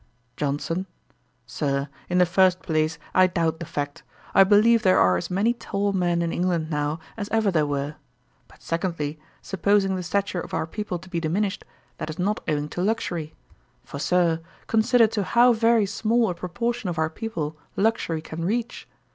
JOHNSON. 'Sir, in the first place, I doubt the fact. I believe there are as many tall men in England now, as ever there were. But, secondly, supposing the stature of our people to be diminished, that is not owing to luxury; for, Sir, consider to how very small a proportion of our people luxury can reach.